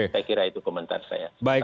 saya kira itu komentar saya